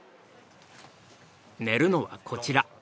寝るのはこちら。